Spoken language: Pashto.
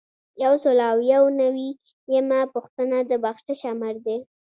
یو سل او یو نوي یمه پوښتنه د بخشش آمر دی.